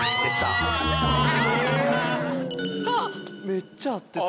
めっちゃ合ってた。